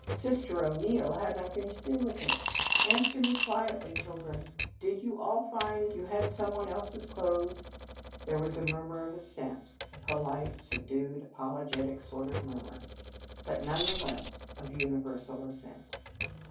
" Sister O Neil had nothing to do with it. Answer me quietly, children. Did you all find you had some one else s clothes?" There was a murmur of assent, a polite, subdued, apologetic sort of murmur; but, none the less, of uni versal assent.